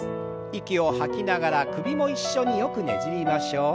息を吐きながら首も一緒によくねじりましょう。